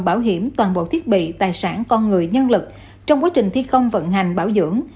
bảo hiểm toàn bộ thiết bị tài sản con người nhân lực trong quá trình thi công vận hành bảo dưỡng